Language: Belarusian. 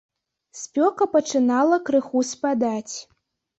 Спёка пачынала крыху спадаць.